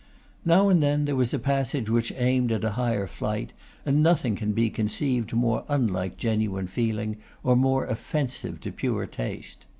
Now and then there was a passage which aimed at a higher flight, and nothing can be conceived more unlike genuine feeling, or more offensive to pure taste.